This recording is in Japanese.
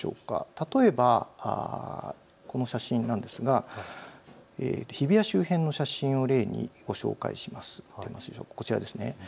例えば、この写真なんですが日比谷周辺の写真を例にご紹介します。